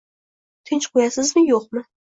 Tinch qo'yasizmi yo'qmi?